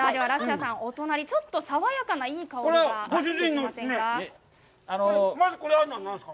お隣、ちょっと爽やかないい香りがしていませんか。